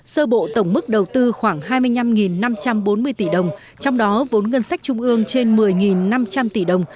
sơ bộ tổng mức đầu tư khoảng hai mươi năm năm trăm bốn mươi tỷ đồng trong đó vốn ngân sách trung ương trên một mươi năm trăm linh tỷ đồng